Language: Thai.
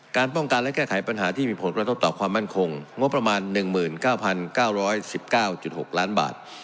ป้องกันและแก้ไขปัญหาที่มีผลกระทบต่อความมั่นคงงบประมาณ๑๙๙๑๙๖ล้านบาท